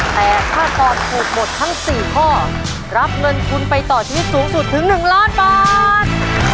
แต่ถ้าตอบถูกหมดทั้ง๔ข้อรับเงินทุนไปต่อชีวิตสูงสุดถึง๑ล้านบาท